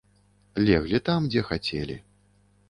Леглі там, дзе хацелі.